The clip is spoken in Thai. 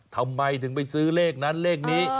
ทำไมถึงไปซื้อเลขนั้นเลขนี้